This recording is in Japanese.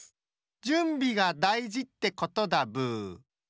じゅんびがだいじってことだブー。